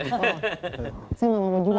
oh saya nggak mau juga sih